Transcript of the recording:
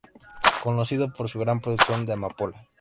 Conocido por su gran producción de amapola.